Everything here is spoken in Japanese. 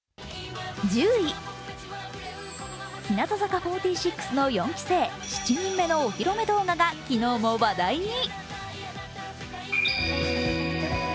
１０位、日向坂４６の４期生、７人目のお披露目動画が話題に。